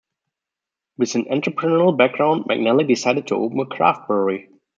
With an entrepreneurial background, McNally decided to open a craft brewery.